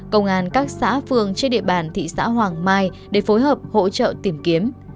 công an các xã phường trên địa bàn thị xã hoàng mai để phối hợp hỗ trợ tìm kiếm